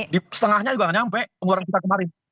di setengahnya juga nyampe goreng kita kemarin